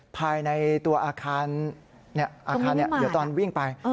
ภายในตัวอาคารอาคารเดี๋ยวตอนวิ่งไป